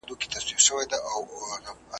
غلی غلی را روان تر منځ د ژرګو ,